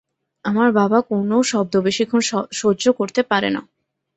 আমার বাবা কোনো শব্দ বেশিক্ষণ সহ্য করতে পারে না।